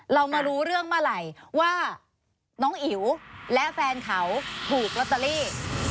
เรามารู้เรื่องเมื่อไหร่ว่าน้องอิ๋วและแฟนเขาถูกลอตเตอรี่